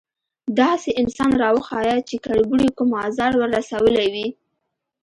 _داسې انسان راوښيه چې کربوړي کوم ازار ور رسولی وي؟